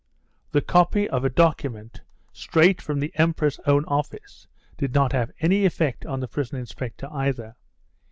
The copy of a document straight from the Emperor's own office did not have any effect on the prison inspector either.